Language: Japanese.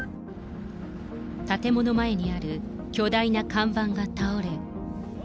建物前にある巨大な看板が倒れ。